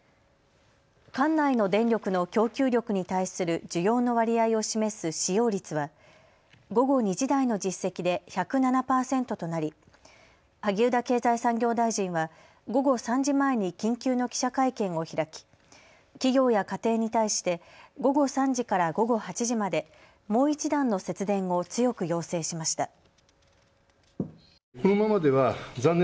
管内の電力の供給力に対する需要の割合を示す使用率は午後２時台の実績で１０７％となり萩生田経済産業大臣は午後３時前に緊急の記者会見を開き、企業や家庭に対して午後３時から午後８時までもう一段の節電を強く要請しました。